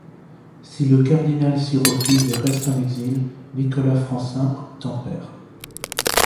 Si le cardinal s'y refuse et reste en exil, Nicolas Francin obtempère.